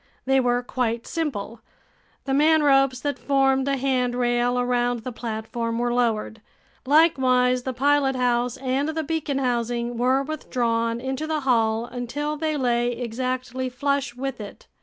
They were quite simple. The manropes that formed a handrail around the platform were lowered. Likewise the pilothouse and the beacon housing were withdrawn into the hull until they lay exactly flush with it.